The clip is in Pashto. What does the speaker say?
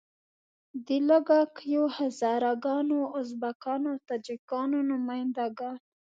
د لږه کیو هزاره ګانو، ازبکانو او تاجیکانو نماینده ګان.